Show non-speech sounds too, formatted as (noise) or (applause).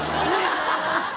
ハハハ (laughs)